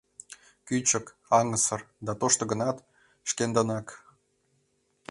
Кӱчык, аҥысыр да тошто гынат, шкендынак.